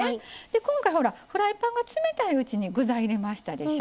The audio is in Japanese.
今回、フライパンが冷たいうちに具材を入れましたでしょ？